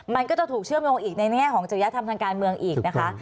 มันก็จะถูกเชื่อมโยงอีกในแง่ของจริยธรรมทางการเมืองอีกนะคะ